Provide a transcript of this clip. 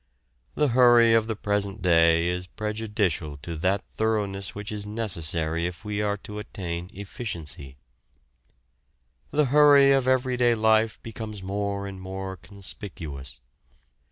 The hurry of the present day is prejudicial to that thoroughness which is necessary if we are to attain efficiency. The hurry of everyday life becomes more and more conspicuous.